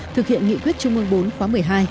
thực hiện nghị quyết trung ương bốn khóa một mươi hai